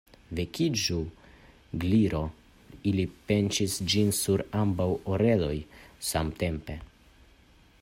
"Vekiĝu, Gliro!" Ili pinĉis ĝin sur ambaŭ oreloj samtempe.